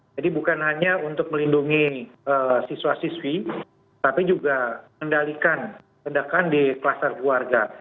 jadi bukan hanya untuk melindungi siswa siswi tapi juga mendalikan ledakan di kluster keluarga